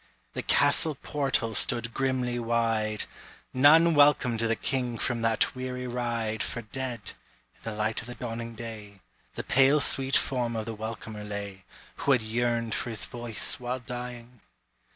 The castle portal stood grimly wide; None welcomed the king from that weary ride; For dead, in the light of the dawning day, The pale sweet form of the welcomer lay, Who had yearned for his voice while dying!